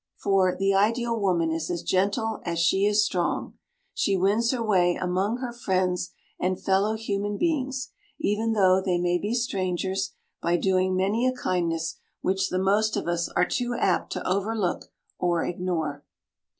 For "the ideal woman is as gentle as she is strong." She wins her way among her friends and fellow human beings, even though they may be strangers, by doing many a kindness which the most of us are too apt to overlook or ignore.